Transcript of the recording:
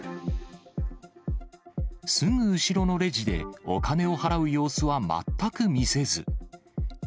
すぐ後ろのレジでお金を払う様子は全く見せず。